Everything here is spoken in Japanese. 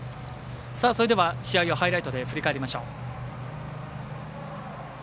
試合をハイライトで振り返りましょう。